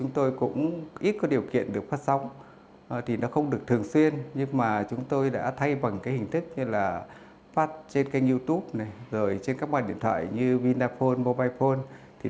ngoài những nỗ lực quảng bá phim qua kênh youtube trên các mạng điện thoại như vinaphone mobilephone